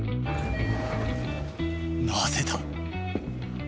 なぜだ？